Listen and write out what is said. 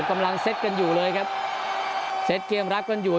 เกมรักกันอยู่เลยครับเสร็จกรีมรับกันอยู่